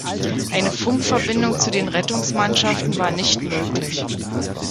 Eine Funkverbindung zu den Rettungsmannschaften war nicht möglich.